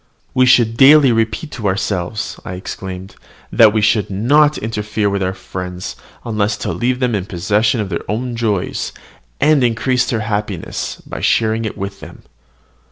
"We should daily repeat to ourselves," I exclaimed, "that we should not interfere with our friends, unless to leave them in possession of their own joys, and increase their happiness by sharing it with them!